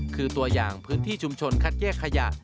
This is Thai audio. คือตัวอย่างพื้นที่ชุมชนคัดแยกขยะ